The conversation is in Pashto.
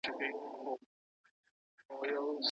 ښځه د هغې د کورنۍ په خاطر په نکاح کيږي.